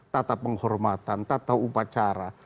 tata penghormatan tata upacara